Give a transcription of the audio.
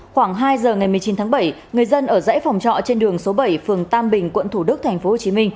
khoảng hai giờ ngày một mươi chín tháng bảy người dân ở dãy phòng trọ trên đường số bảy phường tam bình quận thủ đức tp hcm